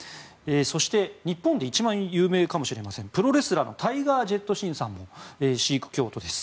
そして日本で一番有名かもしれませんプロレスラーのタイガー・ジェット・シンさんもシーク教徒です。